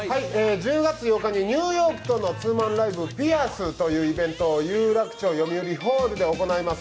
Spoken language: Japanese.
１０月８日にニューヨークとのツーマンライブ「ピアス」というイベントを有楽町よみうりホールで行います。